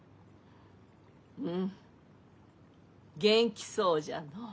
うん元気そうじゃのう。